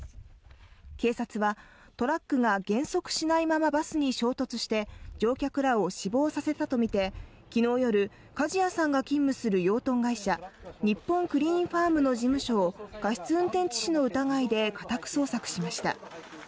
警察はトラックが減速しないままバスに衝突して乗客らを死亡させたとみて、昨日夜梶谷さんが勤務する養豚会社日本クリーンファームの事務所を過失運転致死の疑いで家宅捜索しました。